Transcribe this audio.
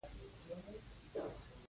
چرګان د ګواښ احساس کوي.